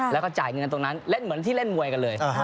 แล้วก็จ่ายเงินตรงนั้นเล่นเหมือนที่เล่นมวยกันเลย